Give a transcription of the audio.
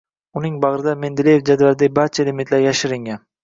Uning bag‘rida Mendeleyev jadvalidagi barcha elementlar yashiringan.